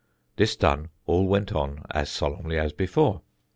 This done, all went on as solemnly as before.